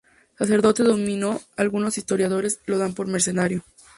Sacerdote dominico, algunos historiadores lo dan por mercedario.